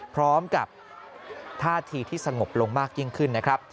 พร้อมกับท่าทีที่สงบลงมากยิ่งขึ้นนะครับ